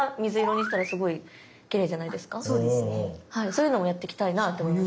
そういうのもやってきたいなと思います。